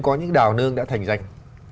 có những đào nương đã thành danh